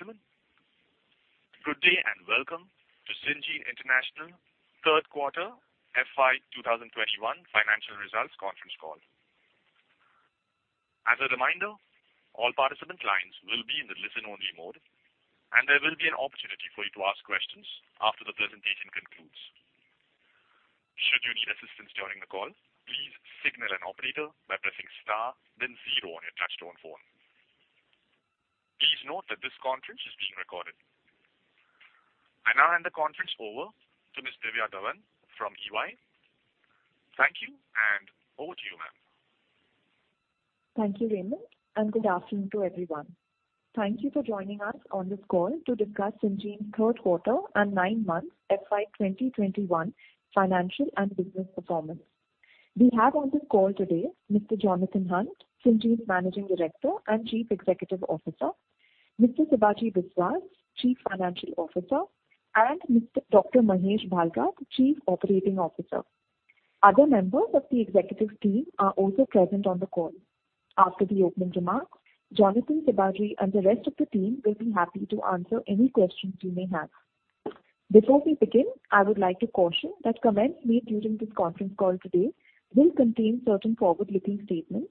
Ladies and gentlemen, good day and welcome to Syngene International Third Quarter FY 2021 Financial Results Conference Call. As a reminder, all participant lines will be in the listen-only mode, and there will be an opportunity for you to ask questions after the presentation concludes. Should you need assistance during the call, please signal an operator by pressing star then zero on your touch-tone phone. Please note that this conference is being recorded. I now hand the conference over to Ms. Divya Dhawan from EY. Thank you, and over to you, ma'am. Thank you, Raymond, and good afternoon to everyone. Thank you for joining us on this call to discuss Syngene's Third quarter and Nine-Month FY 2021 Financial and Business Performance. We have on this call today Mr. Jonathan Hunt, Syngene's Managing Director and Chief Executive Officer, Mr. Sibaji Biswas, Chief Financial Officer, and Dr. Mahesh Bhalgat, Chief Operating Officer. Other members of the executive team are also present on the call. After the opening remarks, Jonathan, Sibaji, and the rest of the team will be happy to answer any questions you may have. Before we begin, I would like to caution that comments made during this conference call today will contain certain forward-looking statements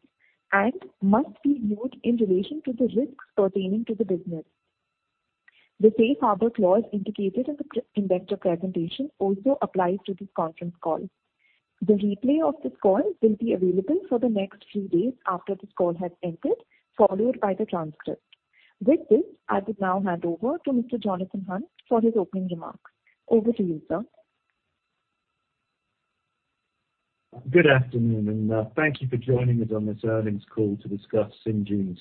and must be viewed in relation to the risks pertaining to the business. The safe harbor clause indicated in the investor presentation also applies to this conference call. The replay of this call will be available for the next few days after this call has ended, followed by the transcript. With this, I would now hand over to Mr. Jonathan Hunt for his opening remarks. Over to you, sir. Good afternoon, thank you for joining us on this earnings call to discuss Syngene's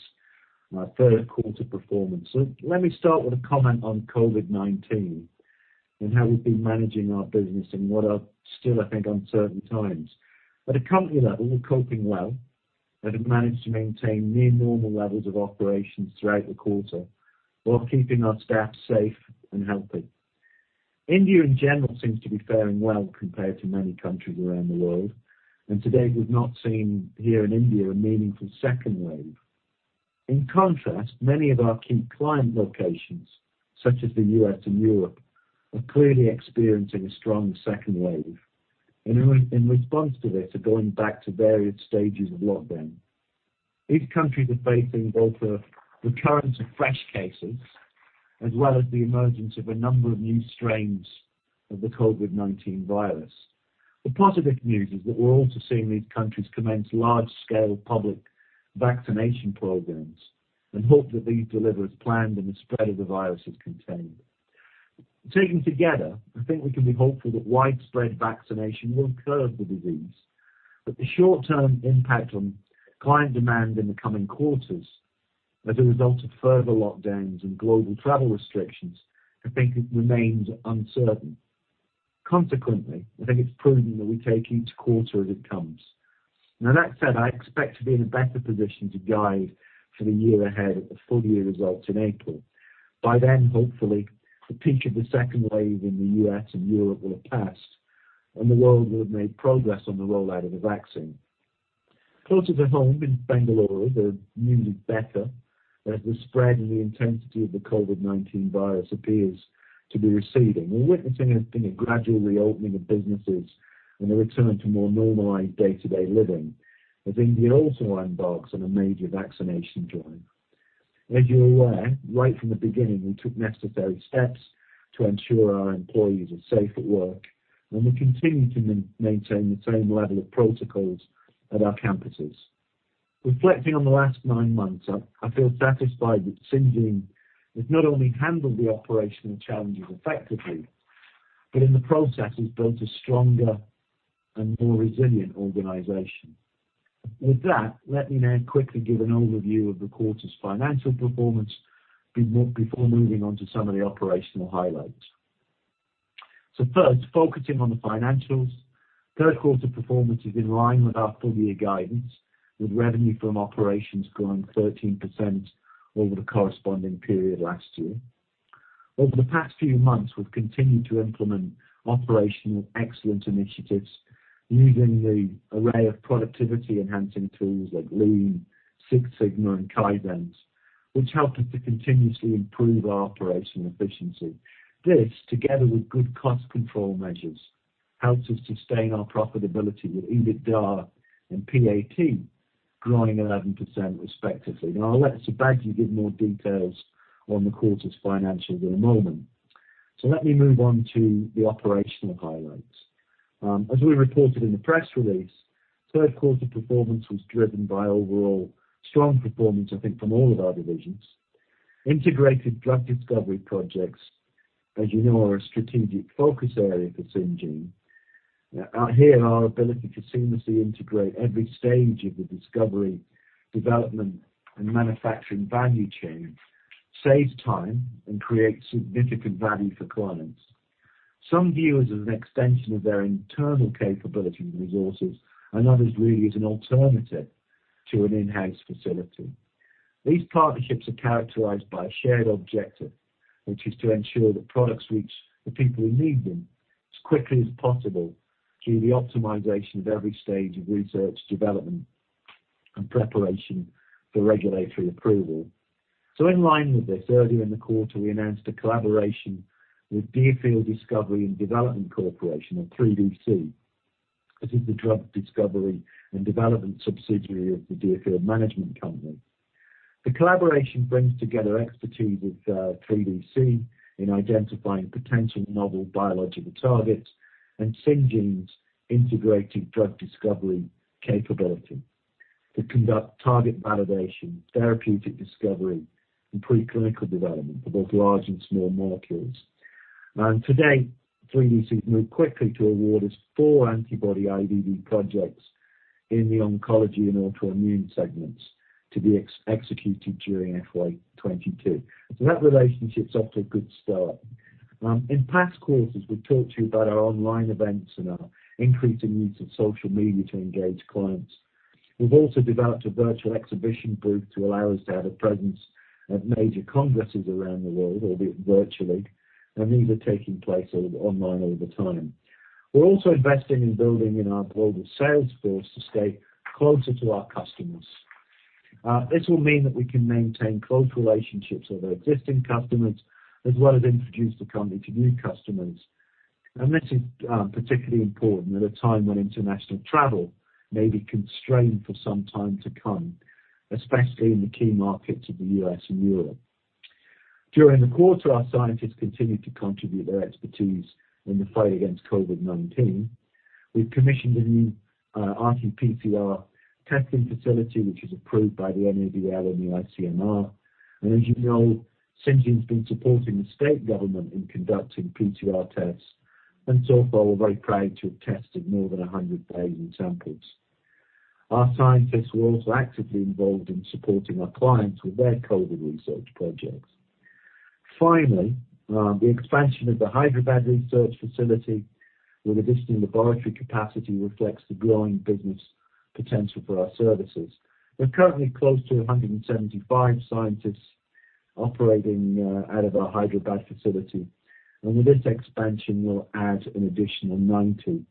Third Quarter Performance. Let me start with a comment on COVID-19 and how we've been managing our business in what are still, I think, uncertain times. At a company level, we're coping well and have managed to maintain near-normal levels of operations throughout the quarter while keeping our staff safe and healthy. India, in general, seems to be faring well compared to many countries around the world, and to date, we've not seen here in India a meaningful second wave. In contrast, many of our key client locations, such as the U.S. and Europe, are clearly experiencing a strong second wave and in response to this are going back to various stages of lockdown. These countries are facing both a recurrence of fresh cases as well as the emergence of a number of new strains of the COVID-19 virus. The positive news is that we're also seeing these countries commence large-scale public vaccination programs and hope that these deliver as planned and the spread of the virus is contained. Taken together, I think we can be hopeful that widespread vaccination will curb the disease, but the short-term impact on client demand in the coming quarters as a result of further lockdowns and global travel restrictions, I think it remains uncertain. Consequently, I think it's prudent that we take each quarter as it comes. That said, I expect to be in a better position to guide for the year ahead at the full-year results in April. By then, hopefully, the peak of the second wave in the U.S. and Europe will have passed. The world will have made progress on the rollout of the vaccine. Closer to home in Bangalore, the news is better as the spread and the intensity of the COVID-19 virus appears to be receding. We're witnessing a gradual reopening of businesses and a return to more normalized day-to-day living as India also embarks on a major vaccination drive. As you're aware, right from the beginning, we took necessary steps to ensure our employees are safe at work, and we continue to maintain the same level of protocols at our campuses. Reflecting on the last nine months, I feel satisfied that Syngene has not only handled the operational challenges effectively, but in the process has built a stronger and more resilient organization. With that, let me now quickly give an overview of the quarter's financial performance before moving on to some of the operational highlights. First, focusing on the financials, third quarter performance is in line with our full-year guidance, with revenue from operations growing 13% over the corresponding period last year. Over the past few months, we've continued to implement operational excellence initiatives using the array of productivity-enhancing tools like Lean, Six Sigma, and Kaizen, which help us to continuously improve our operational efficiency. This, together with good cost control measures, helps us sustain our profitability with EBITDA and PAT growing 11% respectively. I'll let Sibaji give more details on the quarter's financials in a moment. Let me move on to the operational highlights. As we reported in the press release, third quarter performance was driven by overall strong performance, I think, from all of our divisions. Integrated drug discovery projects, as you know, are a strategic focus area for Syngene. Out here, our ability to seamlessly integrate every stage of the discovery, development, and manufacturing value chain saves time and creates significant value for clients. Some view it as an extension of their internal capability and resources, and others really as an alternative to an in-house facility. These partnerships are characterized by a shared objective, which is to ensure that products reach the people who need them as quickly as possible through the optimization of every stage of research, development, and preparation for regulatory approval. In line with this, earlier in the quarter, we announced a collaboration with Deerfield Discovery & Development Corporation or 3DC. This is the drug discovery and development subsidiary of the Deerfield Management Company. The collaboration brings together expertise with 3DC in identifying potential novel biological targets and Syngene's integrated drug discovery capability to conduct target validation, therapeutic discovery, and preclinical development for both large and small molecules. Today, 3DC has moved quickly to award us four antibody IDD projects in the oncology and autoimmune segments to be executed during FY 2022. That relationship's off to a good start. In past quarters, we've talked to you about our online events and our increasing use of social media to engage clients. We've also developed a virtual exhibition booth to allow us to have a presence at major congresses around the world, albeit virtually, and these are taking place online all the time. We're also investing in building in our global sales force to stay closer to our customers. This will mean that we can maintain close relationships with our existing customers, as well as introduce the company to new customers. This is particularly important at a time when international travel may be constrained for some time to come, especially in the key markets of the U.S. and Europe. During the quarter, our scientists continued to contribute their expertise in the fight against COVID-19. We've commissioned a new RT-PCR testing facility, which is approved by the NABL and the ICMR. As you know, Syngene's been supporting the state government in conducting PCR tests, and so far, we're very proud to have tested more than 100,000 samples. Our scientists were also actively involved in supporting our clients with their COVID research projects. Finally, the expansion of the Hyderabad research facility with additional laboratory capacity reflects the growing business potential for our services. We're currently close to 175 scientists operating out of our Hyderabad facility, and with this expansion, we'll add an additional 90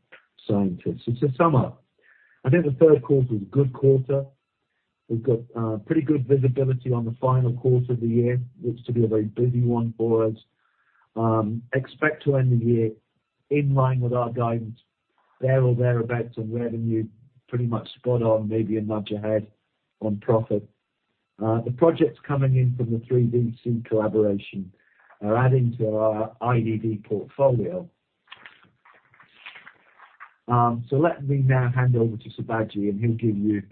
scientists. To sum up, I think the third quarter is a good quarter. We've got pretty good visibility on the final quarter of the year, looks to be a very busy one for us. Expect to end the year in line with our guidance, there or thereabouts on revenue, pretty much spot on, maybe a nudge ahead on profit. The projects coming in from the 3DC collaboration are adding to our IDD portfolio. So let me now hand over to Sibaji, and he'll give you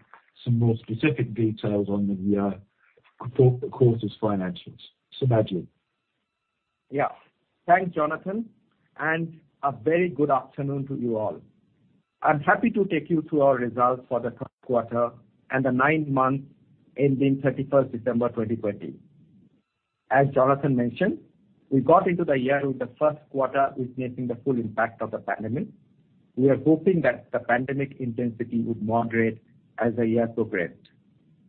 some more specific details on the quarter's financials. Sibaji. Thanks, Jonathan, and a very good afternoon to you all. I'm happy to take you through our results for the third quarter and the nine months ending 31st December 2020. As Jonathan mentioned, we got into the year with the first quarter witnessing the full impact of the pandemic. We were hoping that the pandemic intensity would moderate as the year progressed.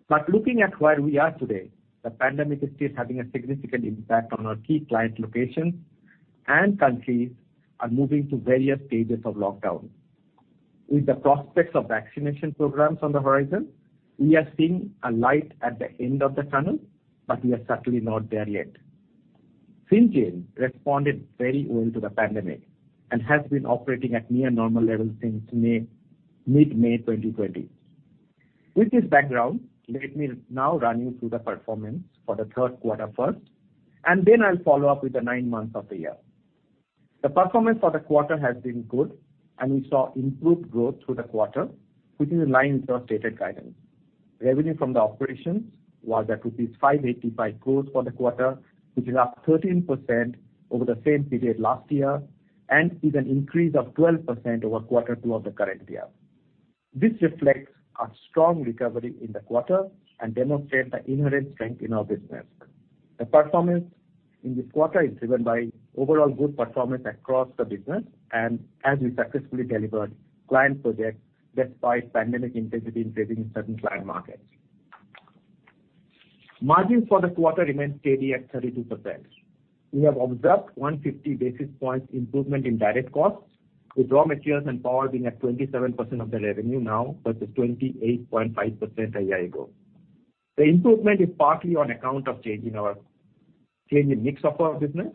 But looking at where we are today, the pandemic is still having a significant impact on our key client locations, and countries are moving through various stages of lockdown. With the prospects of vaccination programs on the horizon, we are seeing a light at the end of the tunnel, but we are certainly not there yet. Syngene responded very well to the pandemic and has been operating at near normal levels since mid-May 2020. With this background, let me now run you through the performance for the third quarter first, and then I'll follow up with the nine months of the year. The performance for the quarter has been good, and we saw improved growth through the quarter, which is in line with our stated guidance. Revenue from the operations was at rupees 585 crores for the quarter, which is up 13% over the same period last year and is an increase of 12% over quarter two of the current year. This reflects a strong recovery in the quarter and demonstrates the inherent strength in our business. The performance in this quarter is driven by overall good performance across the business and as we successfully delivered client projects despite pandemic intensity increasing in certain client markets. Margins for this quarter remained steady at 32%. We have observed 150 basis points improvement in direct costs, with raw materials and power being at 27% of the revenue now versus 28.5% a year ago. The improvement is partly on account of change in our mix of our business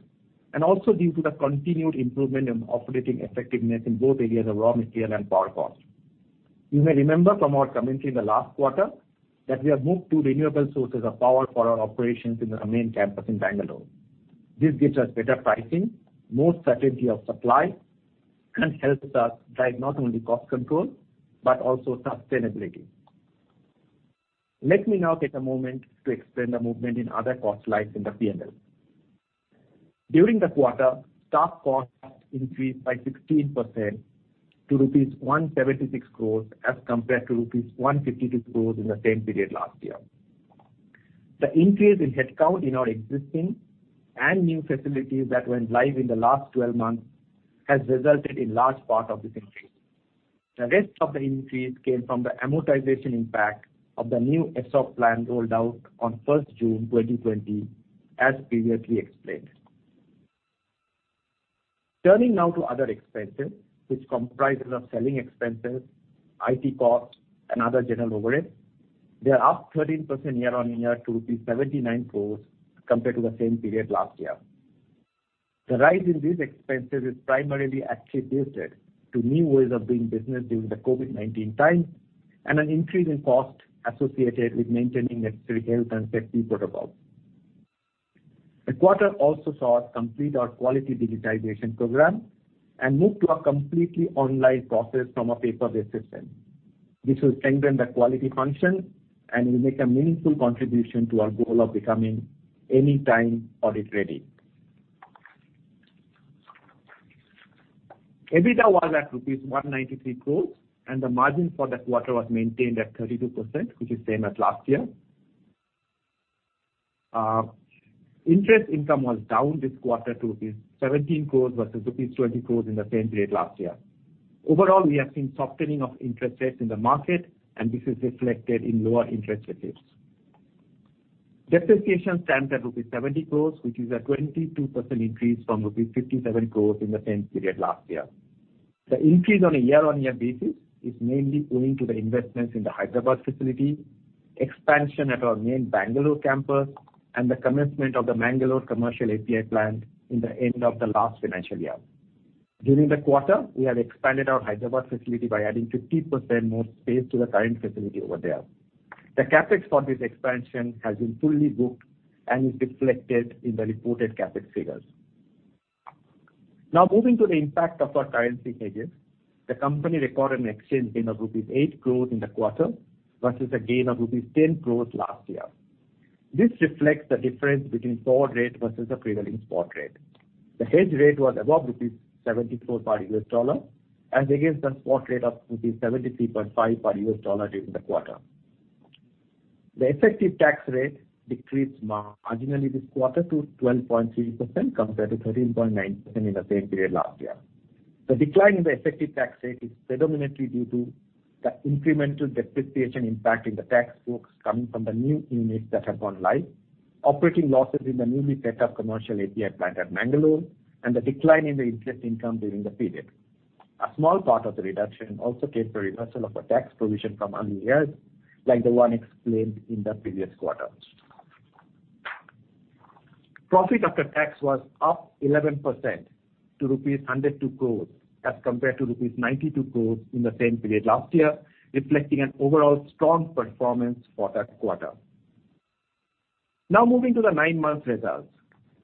and also due to the continued improvement in operating effectiveness in both areas of raw material and power cost. You may remember from our comments in the last quarter that we have moved to renewable sources of power for our operations in our main campus in Bangalore. This gives us better pricing, more certainty of supply, and helps us drive not only cost control but also sustainability. Let me now take a moment to explain the movement in other cost slides in the P&L. During the quarter, staff costs increased by 16% to rupees 176 crores as compared to rupees 152 crores in the same period last year. The increase in headcount in our existing and new facilities that went live in the last 12 months has resulted in large part of this increase. The rest of the increase came from the amortization impact of the new ESOP plan rolled out on 1st June 2020, as previously explained. Turning now to other expenses, which comprises of selling expenses, IT costs, and other general overhead. They are up 13% year-on-year to rupees 79 crores compared to the same period last year. The rise in these expenses is primarily attributed to new ways of doing business during the COVID-19 times and an increase in cost associated with maintaining necessary health and safety protocols. The quarter also saw us complete our quality digitization program and move to a completely online process from a paper-based system. This will strengthen the quality function and will make a meaningful contribution to our goal of becoming anytime audit ready. EBITDA was at rupees 193 crores, and the margin for that quarter was maintained at 32%, which is same as last year. Interest income was down this quarter to rupees 17 crores versus rupees 20 crores in the same period last year. Overall, we have seen softening of interest rates in the market, and this is reflected in lower interest receipts. Depreciation stands at rupees 70 crores, which is a 22% increase from rupees 57 crores in the same period last year. The increase on a year-on-year basis is mainly owing to the investments in the Hyderabad facility, expansion at our main Bangalore campus, and the commencement of the Mangalore commercial API plant in the end of the last financial year. During the quarter, we have expanded our Hyderabad facility by adding 50% more space to the current facility over there. The CapEx for this expansion has been fully booked and is reflected in the reported CapEx figures. Now moving to the impact of our currency hedges. The company recorded an exchange gain of rupees 8 crores in the quarter versus a gain of rupees 10 crores last year. This reflects the difference between forward rate versus the prevailing spot rate. The hedge rate was above rupees 74 per US dollar and against the spot rate of rupees 73.5 per US dollar during the quarter. The effective tax rate decreased marginally this quarter to 12.3% compared to 13.9% in the same period last year. The decline in the effective tax rate is predominantly due to the incremental depreciation impact in the tax books coming from the new units that have gone live, operating losses in the newly set up commercial API plant at Mangalore, and the decline in the interest income during the period. A small part of the reduction also came from reversal of a tax provision from earlier years, like the one explained in the previous quarters. Profit after tax was up 11% to rupees 102 crores as compared to rupees 92 crores in the same period last year, reflecting an overall strong performance for that quarter. Moving to the nine-month results.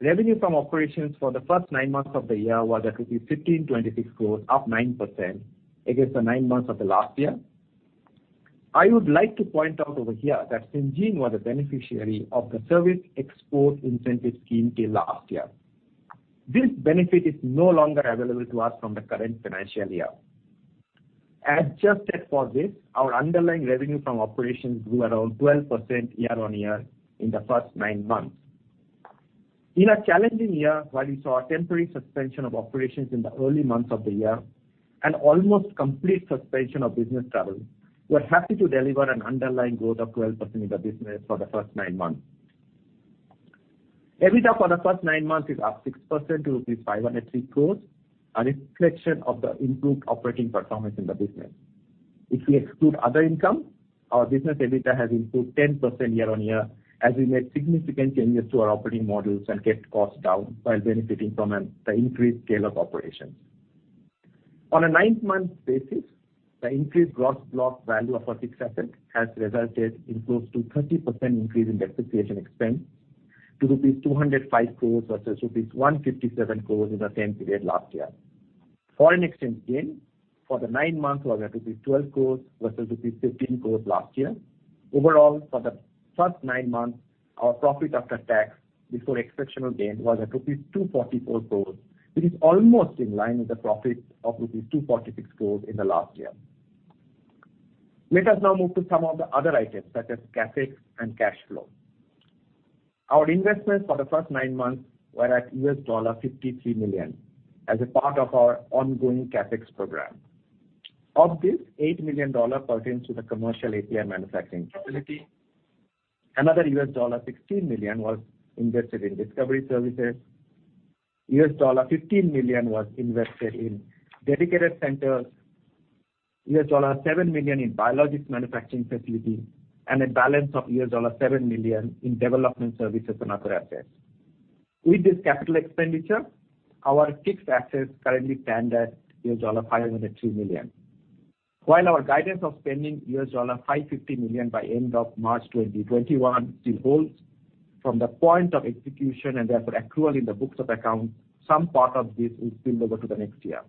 Revenue from operations for the first nine months of the year was at 1,526 crores, up 9% against the nine months of the last year. I would like to point out over here that Syngene was a beneficiary of the Service Exports from India Scheme till last year. This benefit is no longer available to us from the current financial year. Adjusted for this, our underlying revenue from operations grew around 12% year-on-year in the first nine months. In a challenging year, while we saw a temporary suspension of operations in the early months of the year and almost complete suspension of business travel, we're happy to deliver an underlying growth of 12% in the business for the first nine months. EBITDA for the first nine months is up 6% to rupees 503 crores, a reflection of the improved operating performance in the business. If we exclude other income, our business EBITDA has improved 10% year-on-year as we made significant changes to our operating models and kept costs down while benefiting from the increased scale of operations. On a nine-month basis, the increased gross block value of our fixed assets has resulted in close to 30% increase in depreciation expense to rupees 205 crores versus rupees 157 crores in the same period last year. Foreign exchange gain for the nine months was at rupees 12 crores versus rupees 15 crores last year. Overall, for the first nine months, our profit after tax before exceptional gain was at rupees 244 crores, which is almost in line with the profit of rupees 246 crores in the last year. Let us now move to some of the other items, such as CapEx and cash flow. Our investments for the first nine months were at $53 million as a part of our ongoing CapEx program. Of this, $8 million pertains to the commercial API manufacturing facility. Another $16 million was invested in discovery services, $15 million was invested in dedicated centers, $7 million in biologics manufacturing facility, a balance of $7 million in development services and other assets. With this capital expenditure, our fixed assets currently stand at $503 million. While our guidance of spending $550 million by end of March 2021 still holds, from the point of execution and therefore accrual in the books of accounts, some part of this will spill over to the next year.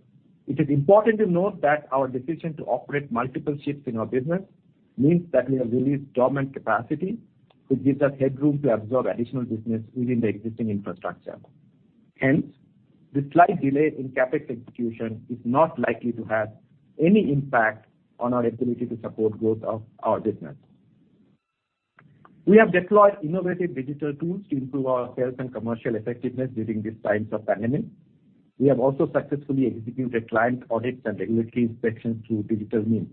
It is important to note that our decision to operate multiple shifts in our business means that we have released dormant capacity, which gives us headroom to absorb additional business within the existing infrastructure. Hence, the slight delay in CapEx execution is not likely to have any impact on our ability to support growth of our business. We have deployed innovative digital tools to improve our sales and commercial effectiveness during these times of pandemic. We have also successfully executed client audits and regulatory inspections through digital means,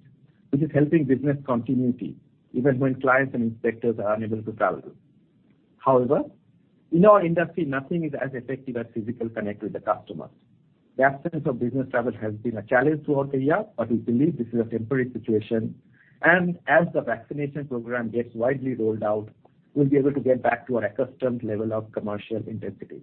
which is helping business continuity even when clients and inspectors are unable to travel. However, in our industry, nothing is as effective as physical connect with the customers. The absence of business travel has been a challenge throughout the year, but we believe this is a temporary situation, and as the vaccination program gets widely rolled out, we'll be able to get back to our accustomed level of commercial intensity.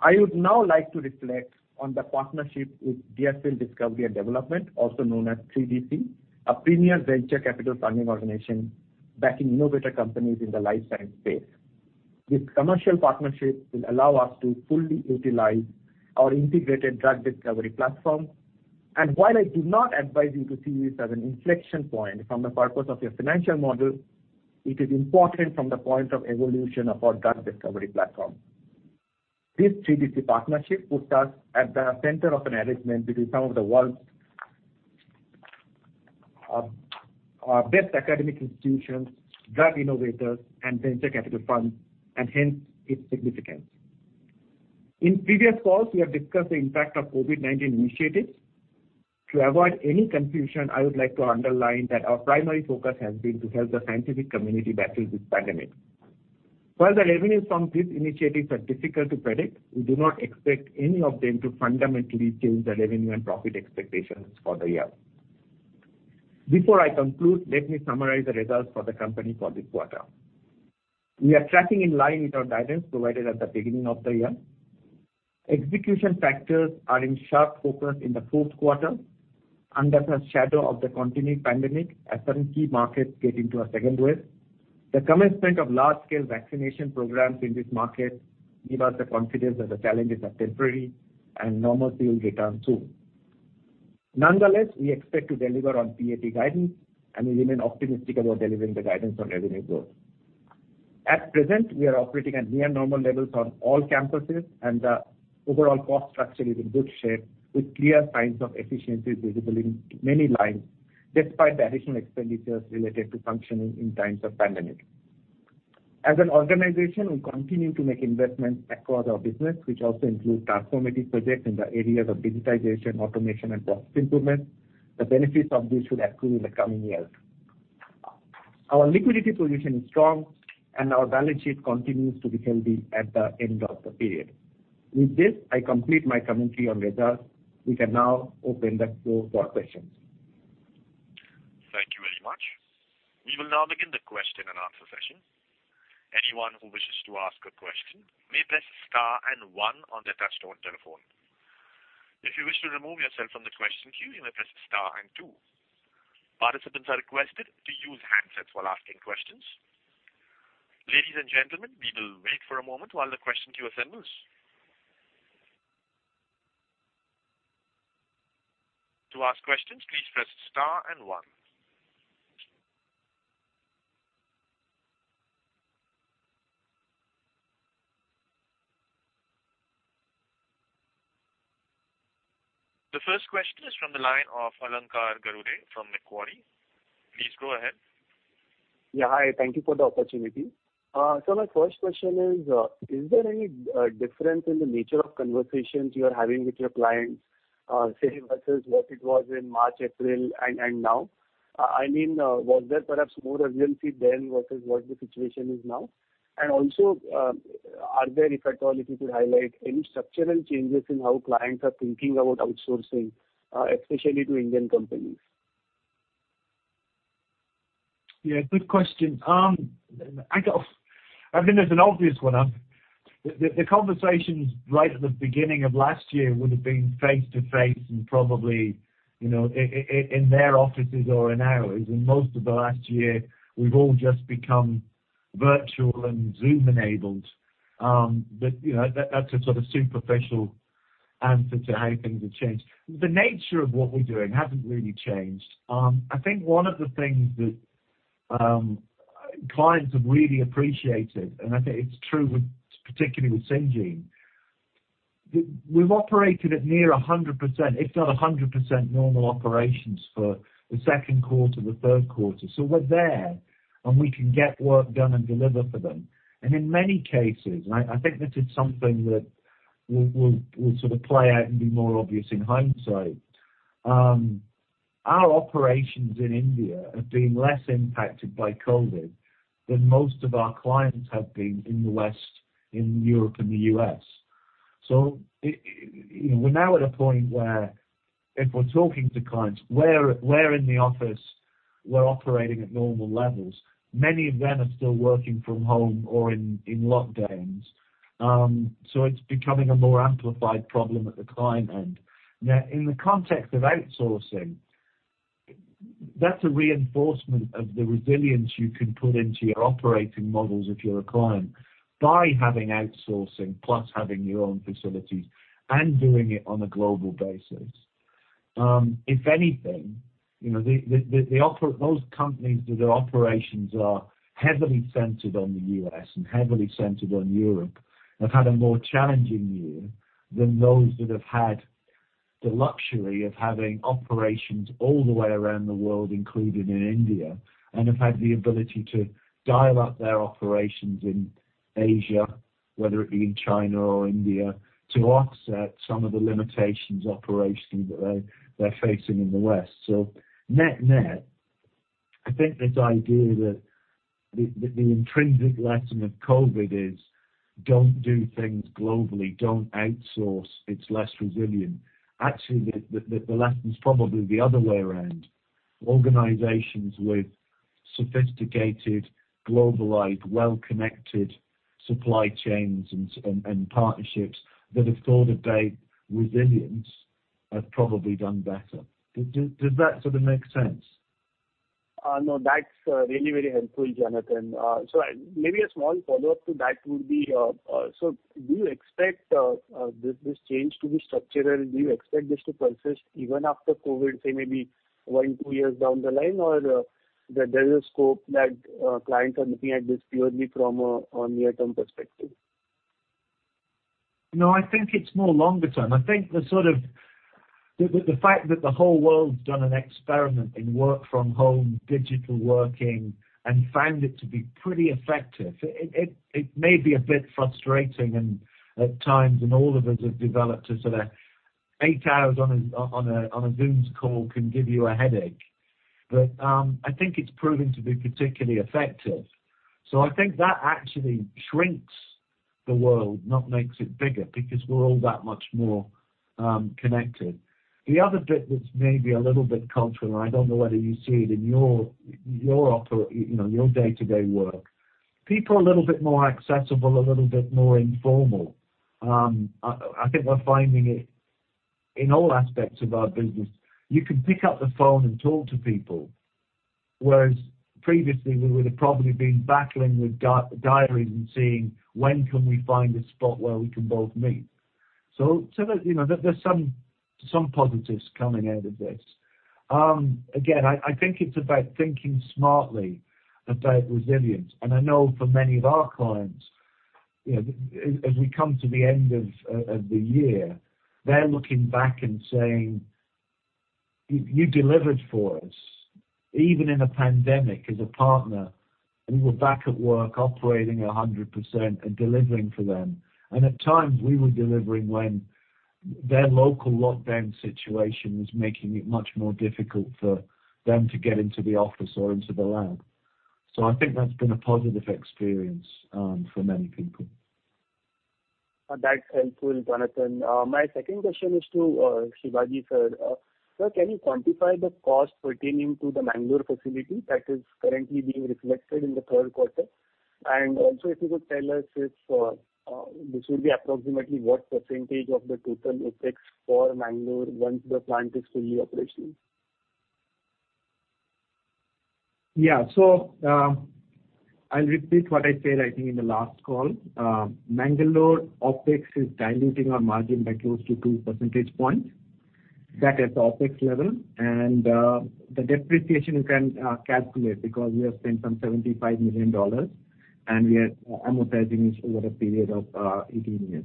I would now like to reflect on the partnership with Deerfield Discovery and Development, also known as 3DC, a premier venture capital funding organization backing innovative companies in the life science space. It's commercial partnership will allow us to fully utilize our integrated drug discovery platform. And while I do not advise you to see this as an inflection point from the point of your financial model, it is important from the point of evolution of our drug discovery platform. This 3DC partnership puts us at the center of an arrangement between some of the world's best academic institutions, drug innovators, and venture capital funds, hence, its significance. In previous calls, we have discussed the impact of COVID-19 initiatives. To avoid any confusion, I would like to underline that our primary focus has been to help the scientific community battle this pandemic. While the revenues from these initiatives are difficult to predict, we do not expect any of them to fundamentally change the revenue and profit expectations for the year. Before I conclude, let me summarize the results for the company for this quarter. We are tracking in line with our guidance provided at the beginning of the year. Execution factors are in sharp focus in the fourth quarter under the shadow of the continued pandemic as certain key markets get into a second wave. The commencement of large-scale vaccination programs in this market give us the confidence that the challenges are temporary, and normalcy will return soon. Nonetheless, we expect to deliver on PAT guidance, and we remain optimistic about delivering the guidance on revenue growth. At present, we are operating at near normal levels on all campuses, and the overall cost structure is in good shape with clear signs of efficiencies visible in many lines, despite the additional expenditures related to functioning in times of pandemic. As an organization, we continue to make investments across our business, which also include transformative projects in the areas of digitization, automation, and cost improvement. The benefits of this should accrue in the coming years. Our liquidity position is strong, and our balance sheet continues to be healthy at the end of the period. With this, I complete my commentary on results. We can now open the floor for questions. Thank you very much. We will now begin the question and answer session. Anyone who wishes to ask a question may press star and one on their touch-tone telephone. If you wish to remove yourself from the question queue, you may press star and two. Participants are requested to use handsets while asking questions. Ladies and gentlemen, we will wait for a moment while the question queue assembles. To ask questions, please press star and one. The first question is from the line of Alankar Garude from Macquarie. Please go ahead. Yeah. Hi. Thank you for the opportunity. My first question is there any difference in the nature of conversations you're having with your clients, say, versus what it was in March, April, and now? I mean, was there perhaps more urgency then versus what the situation is now? Also, are there, if at all, if you could highlight any structural changes in how clients are thinking about outsourcing, especially to Indian companies? Yeah, good question. I think there's an obvious one. The conversations right at the beginning of last year would've been face-to-face and probably in their offices or in ours. Most of the last year, we've all just become virtual and Zoom-enabled. That's a sort of superficial answer to how things have changed. The nature of what we're doing hasn't really changed. I think one of the things that clients have really appreciated. I think it's true particularly with Syngene, we've operated at near 100%, if not 100% normal operations for the second quarter, the third quarter. We're there, and we can get work done and deliver for them. And in many cases, and I think this is something that will sort of play out and be more obvious in hindsight, our operations in India have been less impacted by COVID than most of our clients have been in the West, in Europe, and the U.S. We're now at a point where if we're talking to clients, we're in the office, we're operating at normal levels. Many of them are still working from home or in lockdowns. It's becoming a more amplified problem at the client end. In the context of outsourcing, that's a reinforcement of the resilience you can put into your operating models if you're a client, by having outsourcing plus having your own facilities and doing it on a global basis. If anything, those companies that their operations are heavily centered on the U.S. and heavily centered on Europe have had a more challenging year than those that have had, the luxury of having operations all the way around the world, including in India, and have had the ability to dial up their operations in Asia, whether it be in China or India, to offset some of the limitations operationally that they're facing in the West. Net-net, I think this idea that the intrinsic lesson of COVID is don't do things globally, don't outsource, it's less resilient. Actually, the lesson is probably the other way around. Organizations with sophisticated, globalized, well-connected supply chains and partnerships that have thought about resilience have probably done better. Does that sort of make sense? No, that's really helpful, Jonathan. Maybe a small follow-up to that would be, so do you expect this change to be structural? Do you expect this to persist even after COVID, say, maybe one, two years down the line? There's a scope that clients are looking at this purely from a near-term perspective? No I think it's more longer term. I think the fact that the whole world's done an experiment in work from home, digital working, and found it to be pretty effective. It may be a bit frustrating at times, and all of us have developed a sort of eight hours on a Zoom call can give you a headache. I think it's proven to be particularly effective. I think that actually shrinks the world, not makes it bigger, because we're all that much more connected. The other bit that's maybe a little bit cultural, and I don't know whether you see it in your day-to-day work. People are a little bit more accessible, a little bit more informal. I think we're finding it in all aspects of our business. You can pick up the phone and talk to people, whereas previously, we would have probably been battling with diaries and seeing when can we find a spot where we can both meet. There's some positives coming out of this. Again, I think it's about thinking smartly about resilience, and I know for many of our clients, as we come to the end of the year, they're looking back and saying, "You delivered for us, even in a pandemic as a partner." We're back at work operating 100% and delivering for them. At times, we were delivering when their local lockdown situation was making it much more difficult for them to get into the office or into the lab. I think that's been a positive experience for many people. That's helpful, Jonathan. My second question is to Sibaji, sir. Sir, can you quantify the cost pertaining to the Mangalore facility that is currently being reflected in the third quarter? Also, if you could tell us this will be approximately what percentage of the total OpEx for Mangalore once the plant is fully operational. Yeah. I'll repeat what I said, I think in the last call. Mangalore OpEx is diluting our margin by close to two percentage points. That is OpEx level, and the depreciation you can calculate because we have spent some $75 million, and we are amortizing this over a period of 18 years.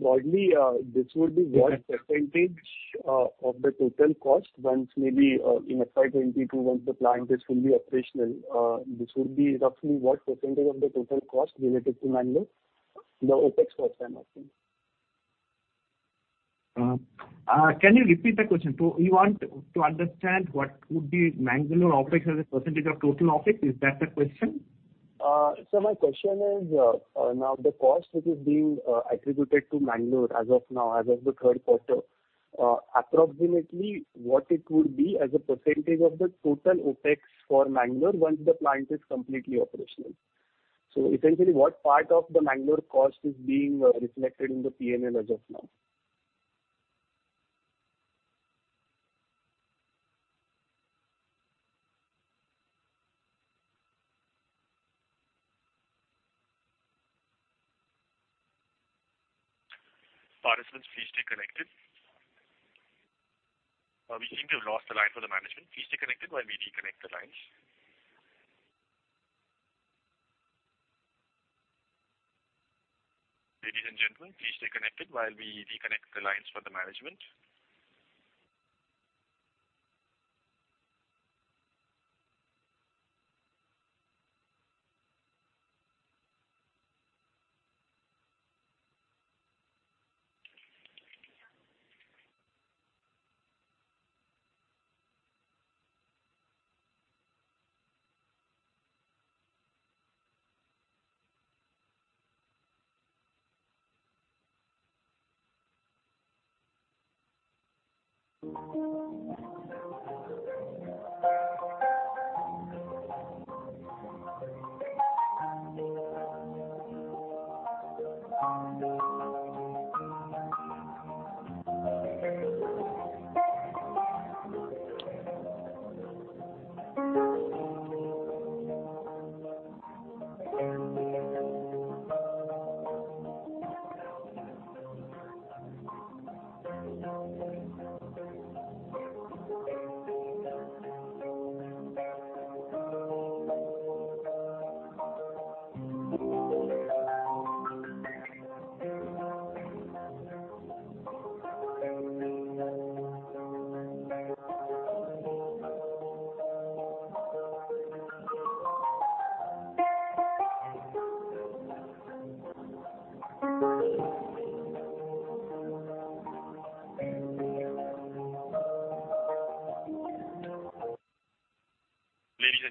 Broadly, this would be what percentage of the total cost once maybe in FY 2022, once the plant is fully operational, this would be roughly what percentage of the total cost related to Mangalore? The OpEx cost, I imagine. Can you repeat the question? You want to understand what would be Mangalore OpEx as a % of total OpEx? Is that the question? Sir, my question is, now the cost which is being attributed to Mangalore as of now, as of the third quarter, approximately what it would be as a percentage of the total OpEx for Mangalore once the plant is completely operational. Essentially what part of the Mangalore cost is being reflected in the P&L as of now. Participants, please stay connected. We seem to have lost the line for the management. Please stay connected while we reconnect the lines. Ladies and gentlemen, please stay connected while we reconnect the lines for the management. Ladies and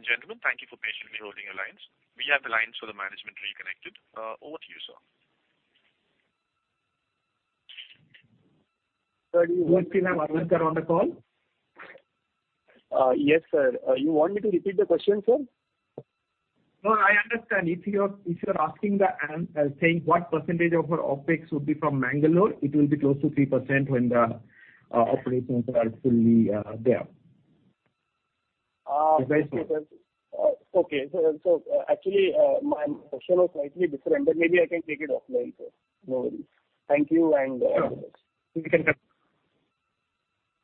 gentlemen, thank you for patiently holding your lines. We have the lines for the management reconnected. Over to you, sir. Sir, do you still have Alankar on the call? Yes, sir. You want me to repeat the question, sir? No, I understand. If you're saying what percentage of our OpEx would be from Mangalore, it will be close to 3% when the operations are fully there. Okay. Actually, my question was slightly different, but maybe I can take it offline, sir. No worries. Thank you. Sure. You can have.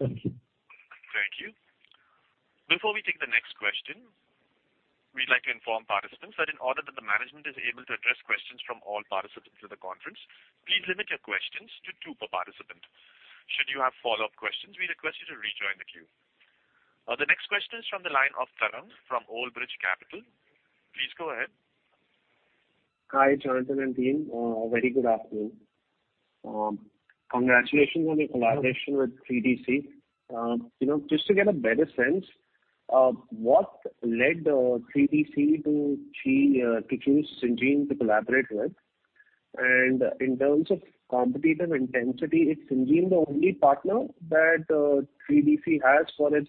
Thank you. Thank you. Before we take the next question, we'd like to inform participants that in order that the management is able to address questions from all participants through the conference, please limit your questions to two per participant. Should you have follow-up questions, we request you to rejoin the queue. The next question is from the line of Tarang from Old Bridge Capital. Please go ahead. Hi, Jonathan and team. A very good afternoon. Congratulations on your collaboration with 3DC. Just to get a better sense, what led 3DC to choose Syngene to collaborate with? In terms of competitive intensity, is Syngene the only partner that 3DC has for its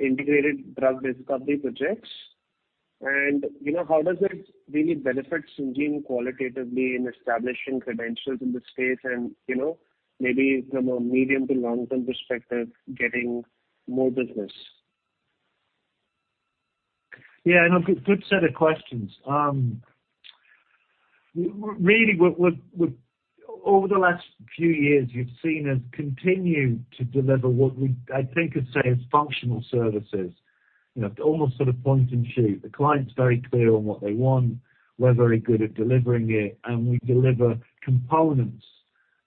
integrated drug discovery projects? How does it really benefit Syngene qualitatively in establishing credentials in this space and maybe from a medium to long-term perspective, getting more business? Yeah, no, good set of questions. Really, over the last few years, you've seen us continue to deliver what we, I'd think, could say is functional services. Almost sort of point and shoot. The client's very clear on what they want. We're very good at delivering it, and we deliver components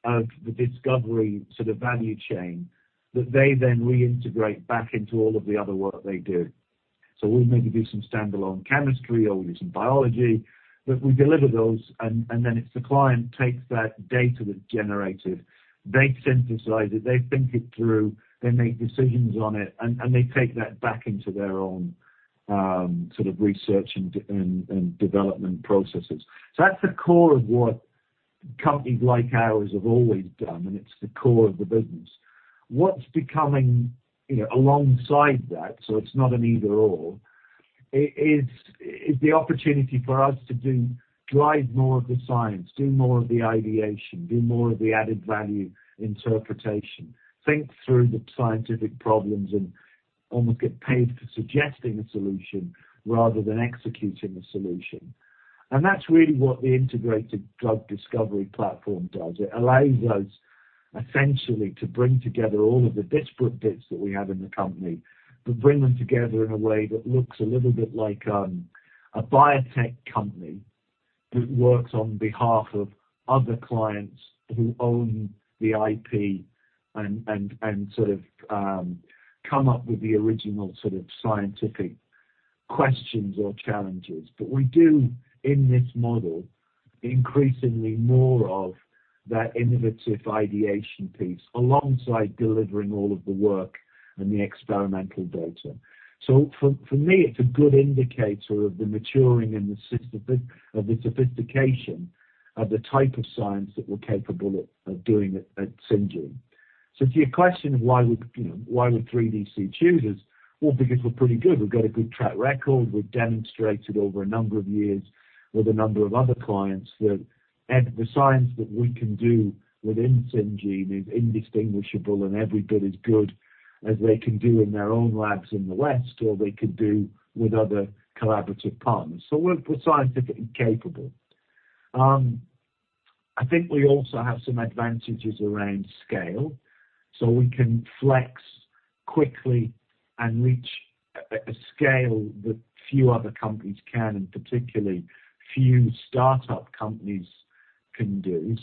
of the discovery sort of value chain that they then reintegrate back into all of the other work they do. We'll maybe do some standalone chemistry or we do some biology, but we deliver those, and then it's the client takes that data that's generated. They synthesize it, they think it through, they make decisions on it, and they take that back into their own sort of research and development processes. That's the core of what companies like ours have always done, and it's the core of the business. What's becoming alongside that, so it's not an either/or, is the opportunity for us to drive more of the science, do more of the ideation. Do more of the added value interpretation. Think through the scientific problems and almost get paid for suggesting a solution rather than executing the solution. That's really what the integrated drug discovery platform does. It allows us essentially to bring together all of the disparate bits that we have in the company, but bring them together in a way that looks a little bit like a biotech company that works on behalf of other clients who own the IP and sort of come up with the original sort of scientific questions or challenges. We do in this model, increasingly more of that innovative ideation piece alongside delivering all of the work and the experimental data. For me, it's a good indicator of the maturing and of the sophistication of the type of science that we're capable of doing at Syngene. To your question of why would 3DC choose us? Well, because we're pretty good. We've got a good track record. We've demonstrated over a number of years with a number of other clients that the science that we can do within Syngene is indistinguishable and every bit as good as they can do in their own labs in the West, or they could do with other collaborative partners. We're scientifically capable. I think we also have some advantages around scale. We can flex quickly and reach a scale that few other companies can, and particularly few startup companies can do.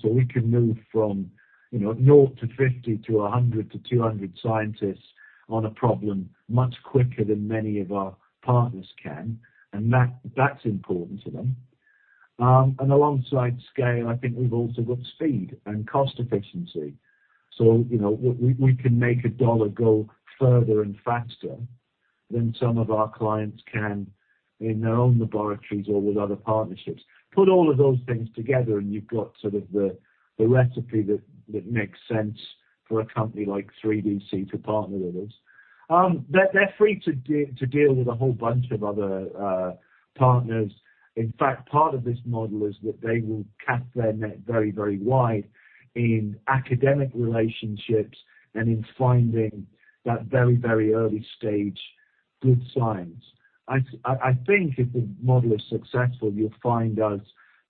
We can move from 0-50-100-200 scientists on a problem much quicker than many of our partners can, and that's important to them. Alongside scale, I think we've also got speed and cost efficiency. We can make a dollar go further and faster than some of our clients can in their own laboratories or with other partnerships. Put all of those things together and you've got sort of the recipe that makes sense for a company like 3DC to partner with us. They're free to deal with a whole bunch of other partners. In fact, part of this model is that they will cast their net very wide in academic relationships and in finding that very early-stage good science. I think if the model is successful, you'll find us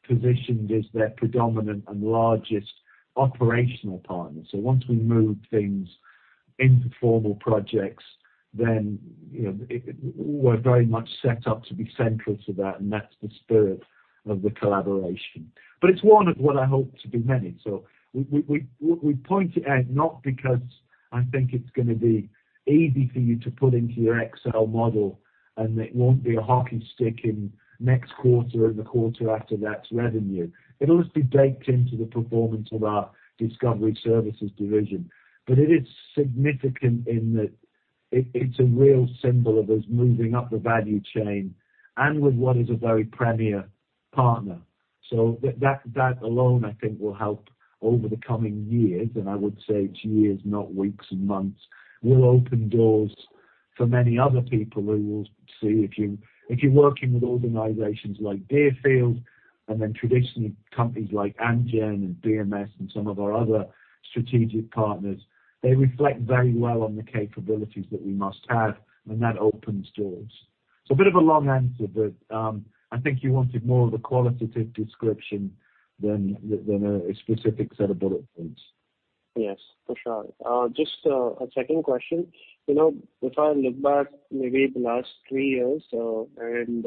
positioned as their predominant and largest operational partner. Once we move things into formal projects, then we're very much set up to be central to that, and that's the spirit of the collaboration. It's one of what I hope to be many. We point it out not because I think it's going to be easy for you to put into your Excel model, and it won't be a hockey stick in next quarter or the quarter after that to revenue. It'll just be baked into the performance of our Discovery Services division. It is significant in that it's a real symbol of us moving up the value chain and with what is a very premier partner. That alone, I think, will help over the coming years, and I would say it's years, not weeks and months, will open doors for many other people who will see. If you're working with organizations like Deerfield and then traditionally companies like Amgen and BMS and some of our other strategic partners, they reflect very well on the capabilities that we must have, and that opens doors. It's a bit of a long answer, but I think you wanted more of a qualitative description than a specific set of bullet points. Yes, for sure. Just a second question. If I look back maybe the last three years, and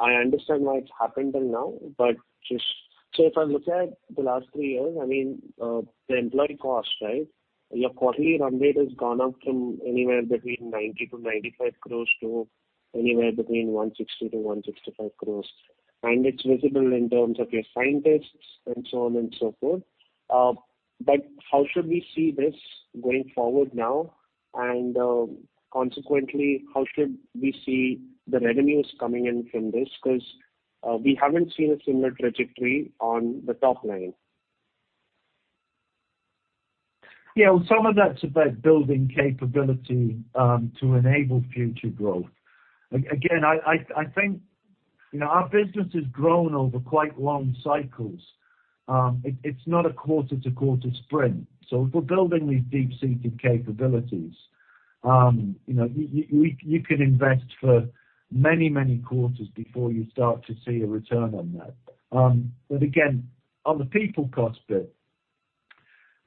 I understand why it's happened until now, but just so if I look at the last three years, the employee cost, your quarterly run rate has gone up from anywhere between 90 crores-95 crores to anywhere between 160 crores-165 crores. And it's visible in terms of your scientists and so on and so forth. How should we see this going forward now? Consequently, how should we see the revenues coming in from this? We haven't seen a similar trajectory on the top line. Well, some of that's about building capability to enable future growth. I think our business has grown over quite long cycles. It's not a quarter-to-quarter sprint. If we're building these deep-seated capabilities, you could invest for many, many quarters before you start to see a return on that. On the people cost bit,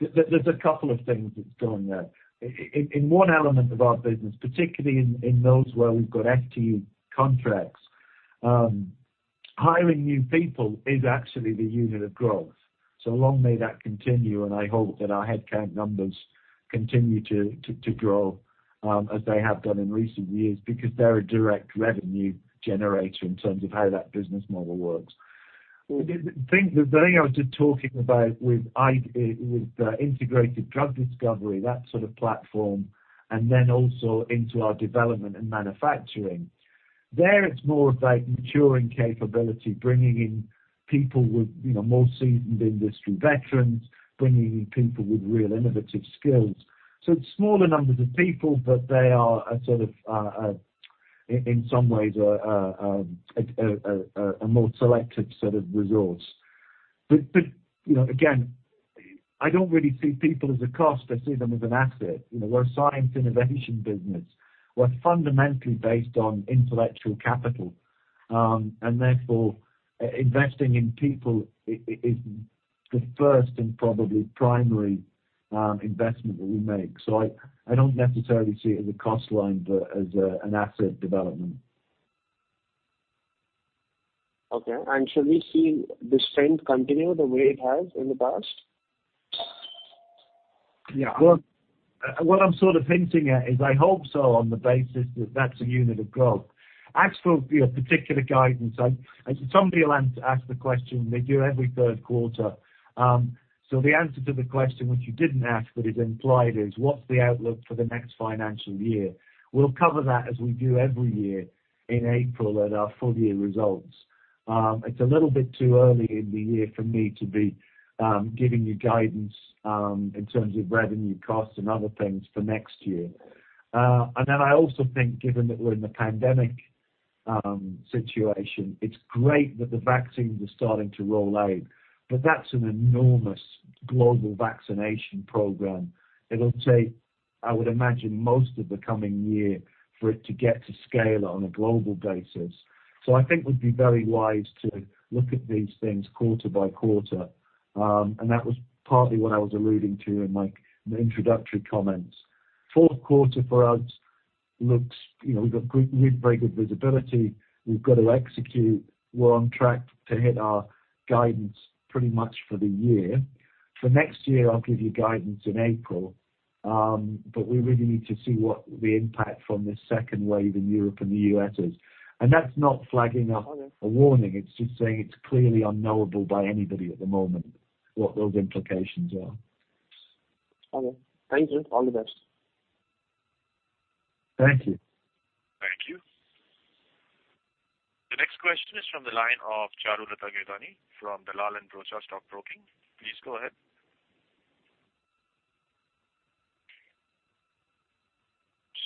there's a couple of things that's going there. In one element of our business, particularly in those where we've got FTE contracts, hiring new people is actually the unit of growth. Long may that continue, and I hope that our headcount numbers continue to grow as they have done in recent years because they're a direct revenue generator in terms of how that business model works. The thing I was just talking about with the integrated drug discovery, that sort of platform, and then also into our development and manufacturing. There it's more about maturing capability, bringing in people with more seasoned industry veterans, bringing in people with real innovative skills. So it's smaller numbers of people, but they are in some ways a more selective set of resource. But again, I don't really see people as a cost. I see them as an asset. We're a science innovation business. We're fundamentally based on intellectual capital, and therefore, investing in people is the first and probably primary investment that we make. So I don't necessarily see it as a cost line, but as an asset development. Okay. Should we see this trend continue the way it has in the past? Yeah what I'm sort of hinting at is I hope so on the basis that that's a unit of growth. Ask for a particular guidance. Somebody will answer, ask the question they do every third quarter. The answer to the question which you didn't ask, but is implied, is what's the outlook for the next financial year? We'll cover that as we do every year in April at our full-year results. It's a little bit too early in the year for me to be giving you guidance in terms of revenue costs and other things for next year. I also think, given that we're in the pandemic situation, it's great that the vaccines are starting to roll out, but that's an enormous global vaccination program. It'll take, I would imagine, most of the coming year for it to get to scale on a global basis. I think we'd be very wise to look at these things quarter by quarter, and that was partly what I was alluding to in my introductory comments. Fourth quarter for us, we've got very good visibility. We've got to execute. We're on track to hit our guidance pretty much for the year. For next year, I'll give you guidance in April, but we really need to see what the impact from this second wave in Europe and the U.S. is, and thats not flaging a.... Okay. A warning. It's just saying it's clearly unknowable by anybody at the moment what those implications are. Okay. Thank you. All the best. Thank you. Thank you. The next question is from the line of Charulata Gaidhani from Dalal & Broacha Stock Broking. Please go ahead.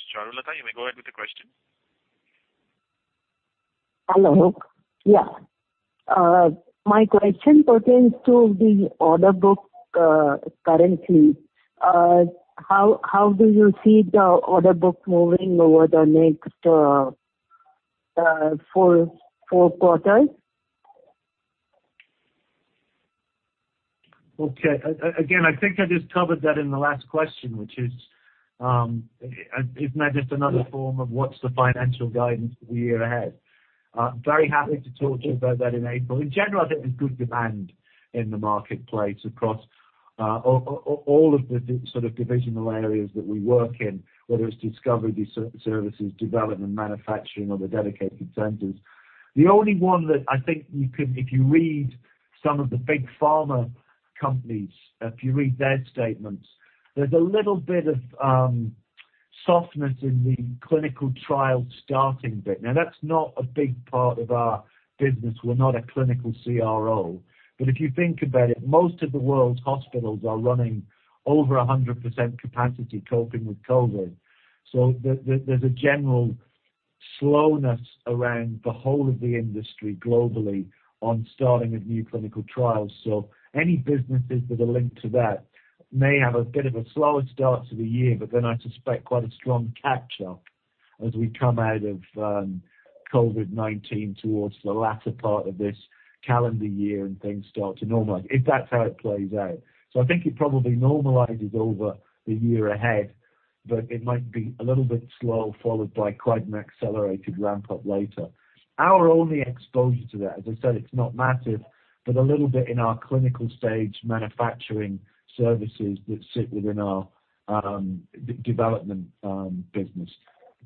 Charulata, you may go ahead with the question. Hello. Yeah. My question pertains to the order book currently. How do you see the order book moving over the next four quarters? Okay. Again, I think I just covered that in the last question, which is, isn't that just another form of what's the financial guidance for the year ahead? Very happy to talk to you about that in April. In general, I think there's good demand in the marketplace across all of the sort of divisional areas that we work in, whether it's discovery, services, development, manufacturing or the dedicated centers. The only one that I think if you read some of the big pharma companies, if you read their statements, there's a little bit of softness in the clinical trial starting bit. Now, that's not a big part of our business. We're not a clinical CRO. If you think about it, most of the world's hospitals are running over 100% capacity coping with COVID. There's a general slowness around the whole of the industry globally on starting of new clinical trials. Any businesses that are linked to that may have a bit of a slower start to the year, but then I suspect quite a strong catch-up as we come out of COVID-19 towards the latter part of this calendar year and things start to normalize, if that's how it plays out. I think it probably normalizes over the year ahead, but it might be a little bit slow, followed by quite an accelerated ramp-up later. Our only exposure to that, as I said, it's not massive, but a little bit in our clinical stage manufacturing services that sit within our development business.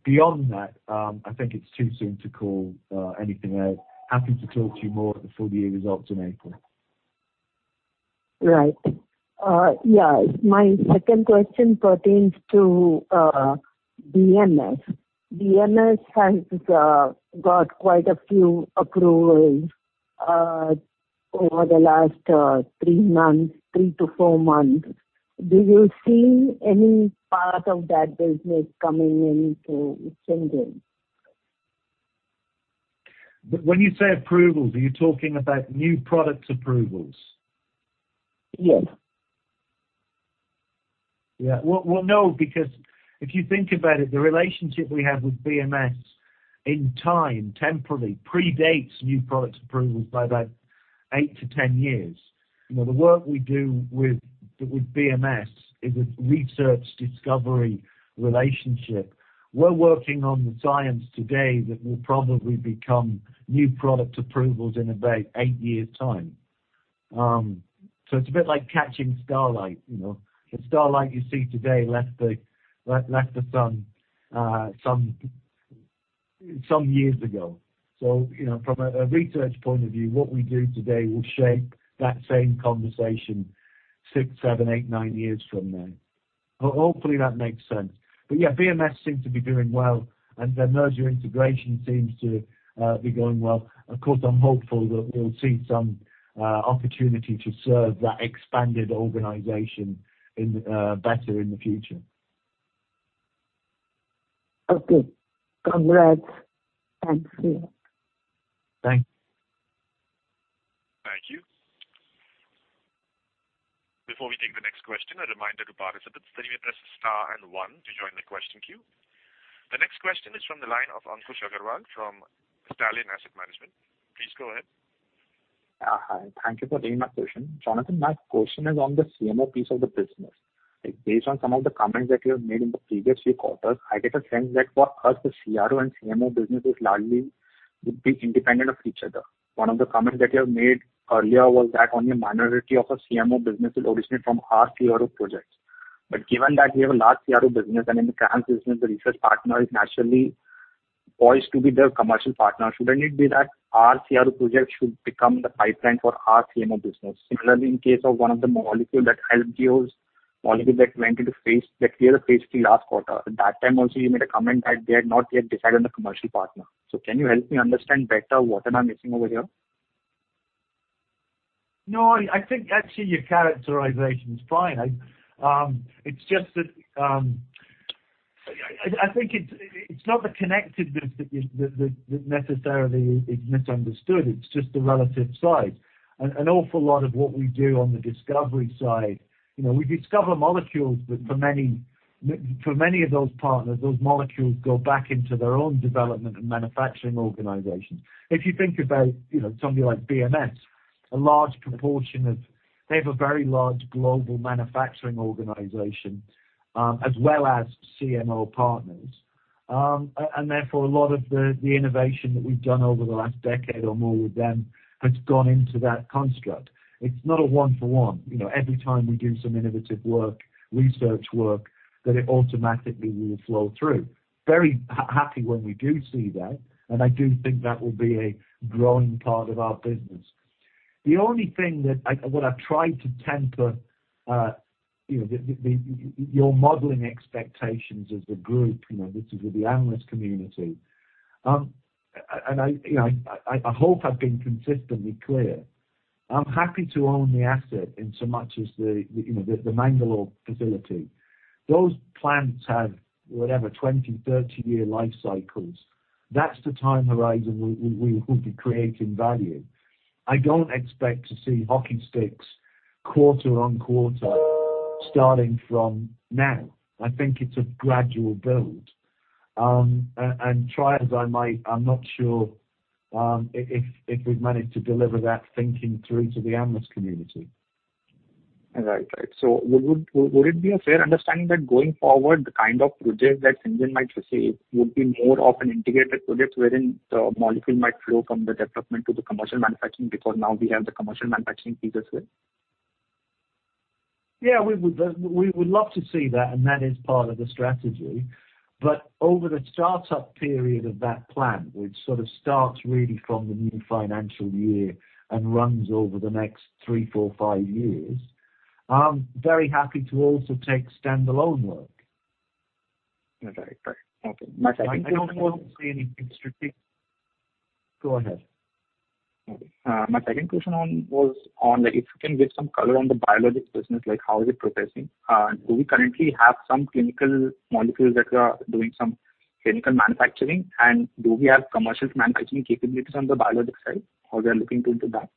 Beyond that, I think it's too soon to call anything out. Happy to talk to you more at the full year results in April. Right. Yeah. My second question pertains to BMS. BMS has got quite a few approvals over the last three to four months. Do you see any part of that business coming into Syngene? When you say approvals, are you talking about new product approvals? Yes. Yeah. Well, no, because if you think about it, the relationship we have with BMS in time, temporally, predates new products approvals by about 8-10 years. The work we do with BMS is a research discovery relationship. We're working on the science today that will probably become new product approvals in about eight years' time. It's a bit like catching starlight. The starlight you see today left the sun some years ago. From a research point of view, what we do today will shape that same conversation six, seven, eight, nine years from now. Hopefully, that makes sense. Yeah, BMS seems to be doing well, and their merger integration seems to be going well. Of course, I'm hopeful that we'll see some opportunity to serve that expanded organization better in the future. Okay. Congrats. Thanks to you. Thanks. Thank you. Before we take the next question, a reminder to participants that you may press star one to join the question queue. The next question is from the line of Ankush Agarwal from Stallion Asset Management. Please go ahead. Hi. Thank you for taking my question. Jonathan, my question is on the CMO piece of the business. Based on some of the comments that you have made in the previous few quarters, I get a sense that for us, the CRO and CMO businesses largely would be independent of each other. One of the comments that you have made earlier was that only a minority of our CMO business will originate from our CRO projects. Given that we have a large CRO business and in the, [inaudible] the research partner is naturally poised to be the commercial partner, shouldn't it be that our CRO project should become the pipeline for our CMO business? Similarly, in case of one of the molecules that, [inaudible] already that went into clear the phase III last quarter. At that time also, you made a comment that they had not yet decided on the commercial partner. Can you help me understand better what am I missing over here? No, I think actually your characterization is fine. I think it's not the connectedness that necessarily is misunderstood. It's just the relative size. An awful lot of what we do on the discovery side, we discover molecules that for many of those partners, those molecules go back into their own development and manufacturing organizations. If you think about somebody like BMS, they have a very large global manufacturing organization, as well as CMO partners. Therefore, a lot of the innovation that we've done over the last decade or more with them has gone into that construct. It's not a one for one. Every time we do some innovative work, research work, that it automatically will flow through. Very happy when we do see that, and I do think that will be a growing part of our business. The only thing that what I've tried to temper your modeling expectations as a group, this is with the analyst community. I hope I've been consistently clear. I'm happy to own the asset in so much as the Mangalore facility. Those plants have, whatever, 20, 30-year life cycles. That's the time horizon we will be creating value. I don't expect to see hockey sticks quarter on quarter starting from now. I think it's a gradual build. Try as I might, I'm not sure if we've managed to deliver that thinking through to the analyst community. Right. Would it be a fair understanding that going forward, the kind of project that Syngene might receive would be more of an integrated project wherein the molecule might flow from the development to the commercial manufacturing because now we have the commercial manufacturing capabilities? Yeah, we would love to see that, and that is part of the strategy. Over the start-up period of that plan, which sort of starts really from the new financial year and runs over the next three, four, five years, I'm very happy to also take standalone work. Right. Okay. My second question. I don't want to say anything strictly. Go ahead. Okay. My second question was on if you can give some color on the biologics business, like how is it progressing? Do we currently have some clinical molecules that are doing some clinical manufacturing? Do we have commercial manufacturing capabilities on the biologic side? How we are looking into that?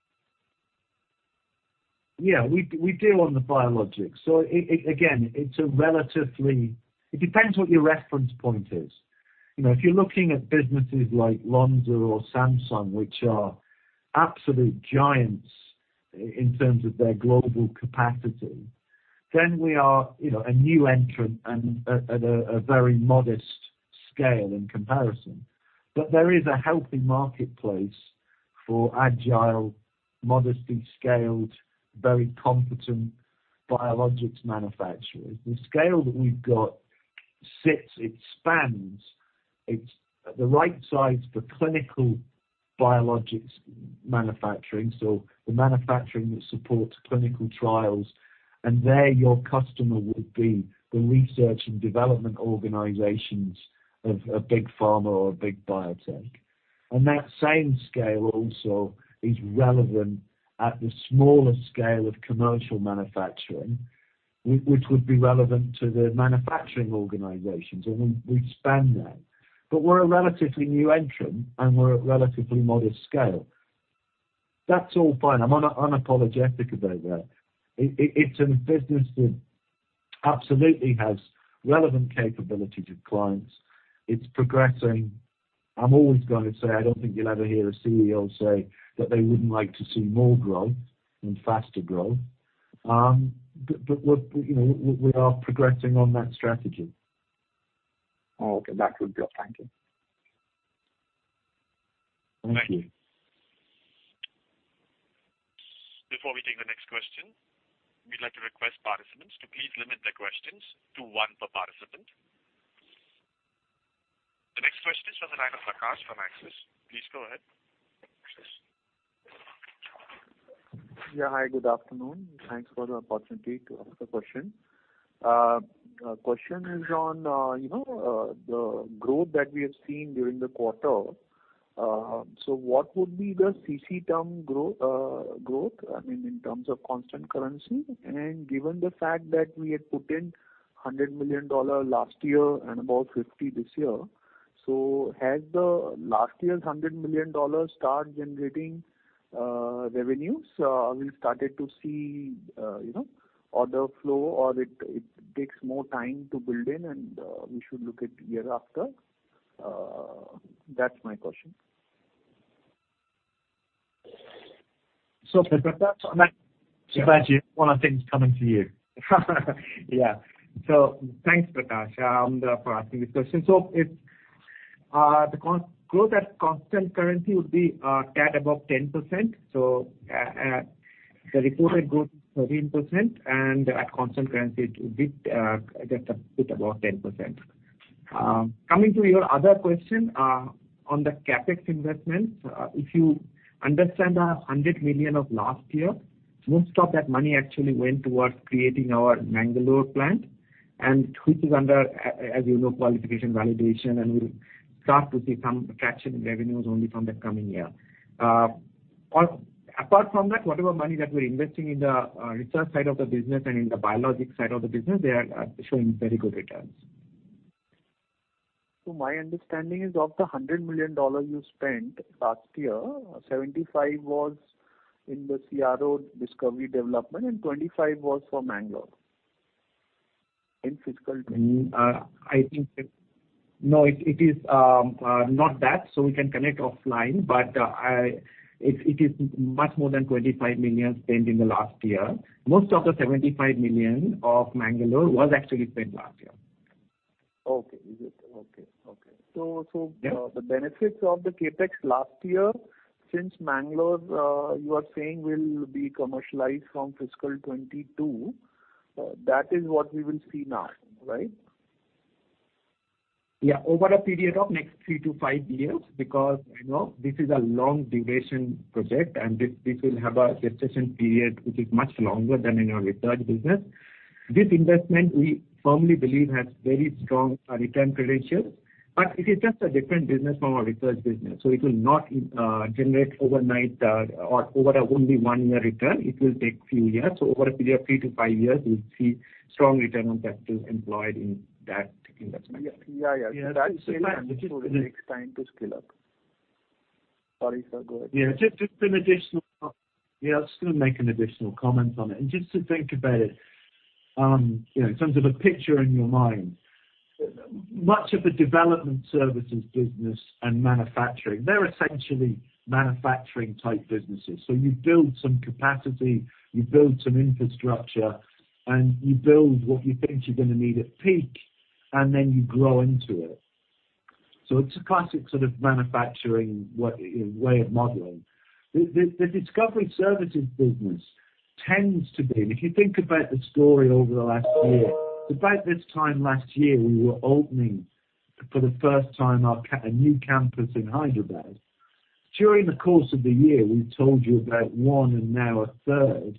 Yeah, we do on the biologics. Again, it depends what your reference point is. If you're looking at businesses like Lonza or Samsung, which are absolute giants in terms of their global capacity, then we are a new entrant and at a very modest scale in comparison. There is a healthy marketplace for agile, modestly scaled, very competent biologics manufacturers. The scale that we've got sits, it spans. It's the right size for clinical biologics manufacturing, so the manufacturing that supports clinical trials. There, your customer would be the research and development organizations of a big pharma or a big biotech. And that same scale also is relevant at the smaller scale of commercial manufacturing, which would be relevant to the manufacturing organizations. We span that. We're a relatively new entrant, and we're a relatively modest scale. That's all fine. I'm unapologetic about that. It's a business that absolutely has relevant capability to clients. It's progressing. I'm always going to say, I don't think you'll ever hear a CEO say that they wouldn't like to see more growth and faster growth. We are progressing on that strategy. Okay. That's good. Thank you. Thank you. Before we take the next question, we'd like to request participants to please limit their questions to one per participant. The next question is from the line of Prakash from Axis. Please go ahead. Yeah. Hi, good afternoon. Thanks for the opportunity to ask the question. Question is on the growth that we have seen during the quarter. What would be the CC term growth, I mean, in terms of constant currency? Given the fact that we had put in $100 million last year and about $50 million this year, has the last year's $100 million start generating revenues? Have we started to see order flow, or it takes more time to build in and we should look at year after? That's my question. Prakash. Sibaji, one of the things coming to you. Yeah. Thanks, Prakash, for asking this question. The growth at constant currency would be at above 10%. The reported growth is 13%, and at constant currency, it would be just a bit above 10%. Coming to your other question, on the CapEx investments, if you understand the $100 million of last year, most of that money actually went towards creating our Mangalore plant. And which is under, as you know, qualification, validation, and we'll start to see some traction in revenues only from the coming year. Apart from that, whatever money that we're investing in the research side of the business and in the biologics side of the business, they are showing very good returns. My understanding is of the $100 million you spent last year, $75 million was in the CRO discovery development and $25 million was for Mangalore in fiscal 2022. No, it is not that. We can connect offline, but it is much more than $25 million spent in the last year. Most of the $75 million of Mangalore was actually spent last year. Okay. The benefits of the CapEx last year, since Mangalore, you are saying, will be commercialized from fiscal 2022, that is what we will see now, right? Over a period of next 3-5 years, because this is a long-duration project, and this will have a gestation period which is much longer than in our research business. This investment, we firmly believe, has very strong return credentials, but it is just a different business from our research business. It will not generate overnight or over a only one-year return. It will take few years. Over a period of 3-5 years, we'll see strong return on capital employed in that investment. Yeah. That scale up, which will take time to scale up. Sorry, go ahead. Just an additional comment on it. Just to think about it, in terms of a picture in your mind, much of the development services business and manufacturing, they're essentially manufacturing-type businesses. You build some capacity, you build some infrastructure, and you build what you think you're going to need at peak, and then you grow into it. It's a classic sort of manufacturing way of modeling. The discovery services business tends to be, and if you think about the story over the last year, about this time last year, we were opening for the first time our new campus in Hyderabad. During the course of the year, we told you about one and now a third,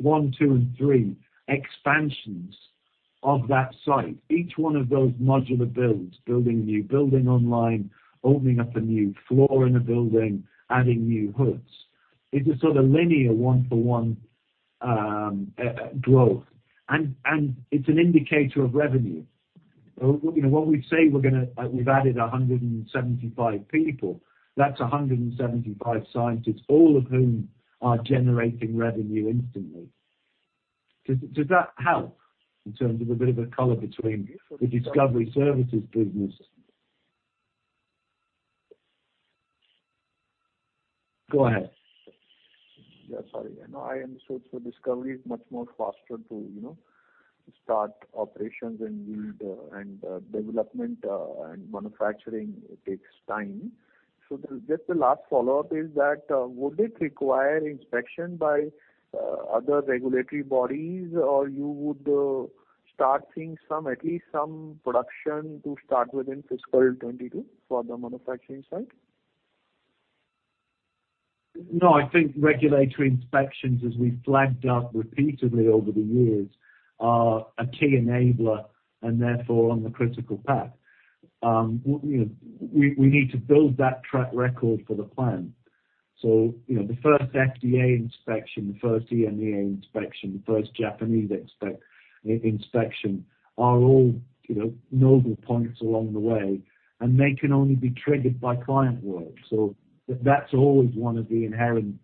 one, two, and three expansions of that site. Each one of those modular builds, building a new building online, opening up a new floor in a building, adding new hoods. It's a sort of linear one-for-one growth. It's an indicator of revenue. When we say we've added 175 people, that's 175 scientists, all of whom are generating revenue instantly. Does that help in terms of a bit of a color between the discovery services business? Go ahead. Yeah, sorry. Discovery is much more faster to start operations and development and manufacturing takes time. Just the last follow-up is that, would it require inspection by other regulatory bodies, or you would start seeing at least some production to start within fiscal 2022 for the manufacturing side? No, I think regulatory inspections, as we've flagged up repeatedly over the years, are a key enabler and therefore on the critical path. We need to build that track record for the plan. The first FDA inspection, the first EMEA inspection, the first Japanese inspection are all nodal points along the way, and they can only be triggered by client work. So that's always one of the inherent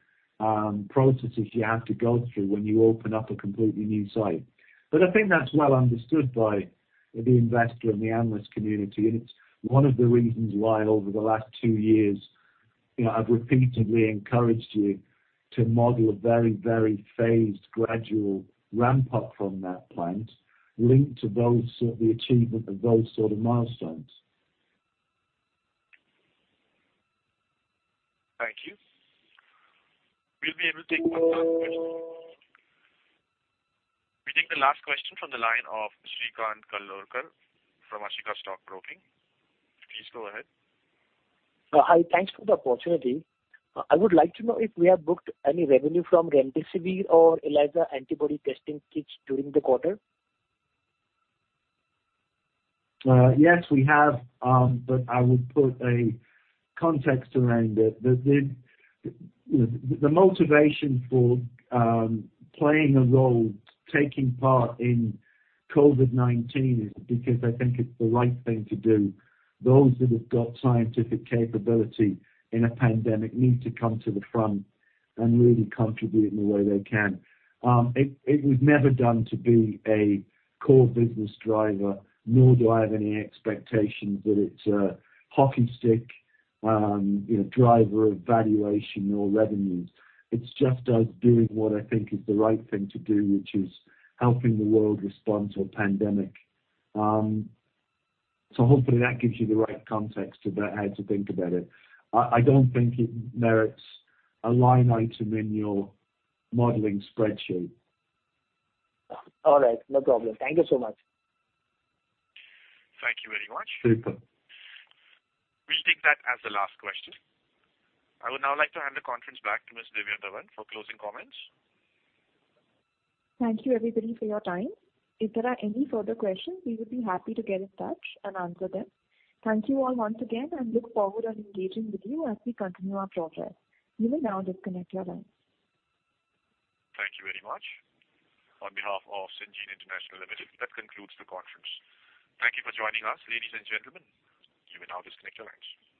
processes you have to go through when you open up a completely new site. But I think that's well understood by the investor and the analyst community, and it's one of the reasons why over the last two years, I've repeatedly encouraged you to model a very phased, gradual ramp-up from that plant linked to the achievement of those sort of milestones. Thank you. We'll be able to take one last question. We take the last question from the line of Shrikant Akolkar from Ashika Stock Broking. Please go ahead. Hi, thanks for the opportunity. I would like to know if we have booked any revenue from remdesivir or ELISA antibody testing kits during the quarter? Yes, we have, but I would put a context around it. The motivation for playing a role, taking part in COVID-19 is because I think it's the right thing to do. Those that have got scientific capability in a pandemic need to come to the front and really contribute in the way they can. It was never done to be a core business driver, nor do I have any expectations that it's a hockey stick driver of valuation or revenues. It's just us doing what I think is the right thing to do, which is helping the world respond to a pandemic. Hopefully that gives you the right context about how to think about it. I don't think it merits a line item in your modeling spreadsheet. All right. No problem. Thank you so much. Thank you very much. Super. We'll take that as the last question. I would now like to hand the conference back to Ms. Divya Dhawan for closing comments. Thank you everybody for your time. If there are any further questions, we would be happy to get in touch and answer them. Thank you all once again and look forward on engaging with you as we continue our progress. You may now disconnect your lines. Thank you very much. On behalf of Syngene International Limited, that concludes the conference. Thank you for joining us, ladies and gentlemen. You may now disconnect your lines.